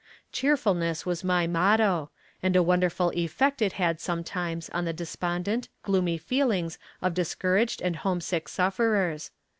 Cheerfulness was my motto, and a wonderful effect it had sometimes on the despondent, gloomy feelings of discouraged and homesick sufferers.